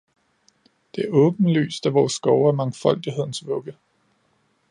Det er åbenlyst, at vores skove er mangfoldighedens vugge.